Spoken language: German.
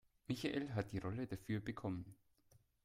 Michael hat die Rolle dafür bekommen.